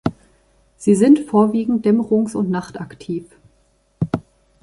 Sie sind vorwiegend dämmerungs- und nachtaktiv.